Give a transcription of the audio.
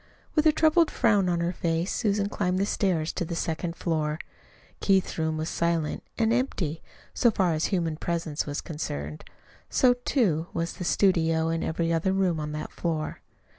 With a troubled frown on her face Susan climbed the stairs to the second floor. Keith's room was silent, and empty, so far as human presence was concerned. So, too, was the studio, and every other room on that floor.